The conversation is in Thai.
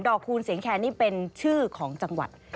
คูณเสียงแคนนี่เป็นชื่อของจังหวัด